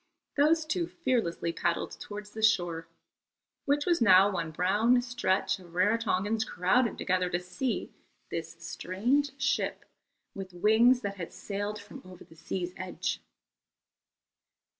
Those two fearlessly paddled towards the shore, which was now one brown stretch of Rarotongans crowded together to see this strange ship with wings that had sailed from over the sea's edge.